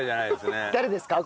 誰ですか？